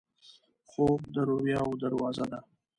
خوب د رویاوو دروازه ده